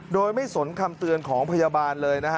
โดยไม่สนคำเตือนของพยาบาลเลยนะฮะ